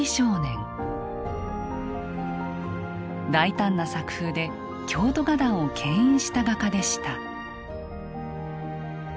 大胆な作風で京都画壇をけん引した画家でした。